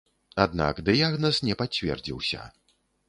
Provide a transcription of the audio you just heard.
Аднак дыягназ не пацвердзіўся.